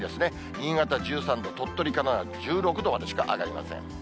新潟１３度、鳥取、金沢、１６度までしか上がりません。